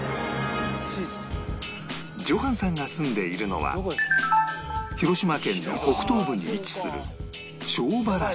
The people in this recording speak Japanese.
ジョハンさんが住んでいるのは広島県の北東部に位置する庄原市